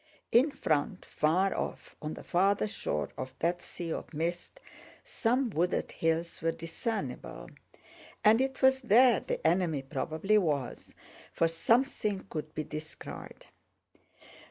In front, far off on the farther shore of that sea of mist, some wooded hills were discernible, and it was there the enemy probably was, for something could be descried.